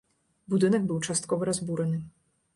Будынак быў часткова разбураны.